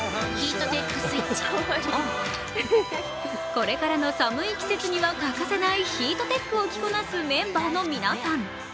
これからの寒い季節には欠かせないヒートテックを着こなすメンバーの皆さん。